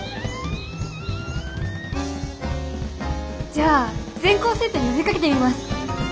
じゃあ全校生徒に呼びかけてみます。